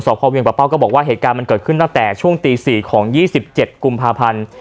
สอบพ่อเวียงปะเป้าก็บอกว่าเหตุการณ์มันเกิดขึ้นตั้งแต่ช่วงตีสี่ของยี่สิบเจ็ดกุมภาพันธ์